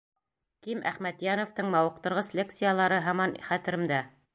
Ким Әхмәтйәновтың мауыҡтырғыс лекциялары һаман хәтеремдә.